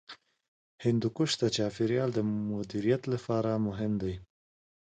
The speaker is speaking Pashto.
هندوکش د چاپیریال مدیریت لپاره مهم دی.